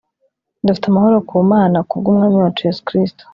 dufite amahoro ku mana kubw'umwami wacu yesu kristo